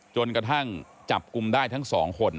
จนกระทั่งจับกลุ่มได้ทั้งสองคน